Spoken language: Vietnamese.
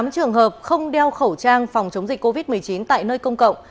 tám trường hợp không đeo khẩu trang phòng chống dịch covid một mươi chín tại nơi công cộng